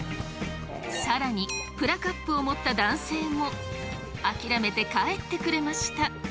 更にプラカップを持った男性も諦めて帰ってくれました。